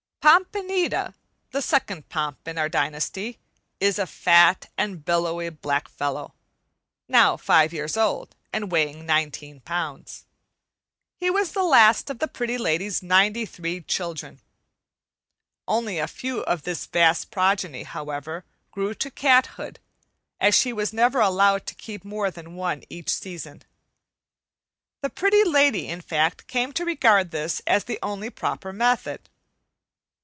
"Pompanita," the second Pomp in our dynasty, is a fat and billowy black fellow, now five years old and weighing nineteen pounds. He was the last of the Pretty Lady's ninety three children. Only a few of this vast progeny, however, grew to cat hood, as she was never allowed to keep more than one each season. The Pretty Lady, in fact, came to regard this as the only proper method.